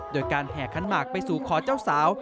โดยการแห่ขันหมากไปสู่ขอเจ้าสาว